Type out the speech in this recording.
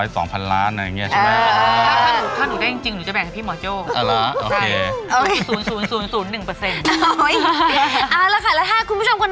บอกแล้วจาก๒๐จะกลายเป็น๒๐๐๒๐๐๐ล้าน